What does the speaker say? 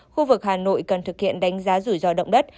khu vực hà nội cần thực hiện đánh giá rủi ro động đất